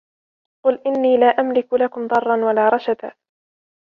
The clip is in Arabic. قُلْ إِنِّي لَا أَمْلِكُ لَكُمْ ضَرًّا وَلَا رَشَدًا